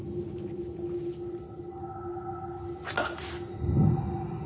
２つ。